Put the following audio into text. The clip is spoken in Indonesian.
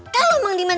kalau mang diman